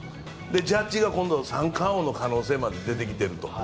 ジャッジが今度、三冠王の可能性まで出てきていると。